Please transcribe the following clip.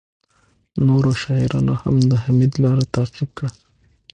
نورو شاعرانو هم د حمید لاره تعقیب کړه